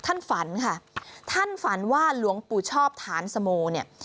ท่านฝันค่ะท่านฝันว่าหลวงปู่ชอบฐานสโมเนี่ย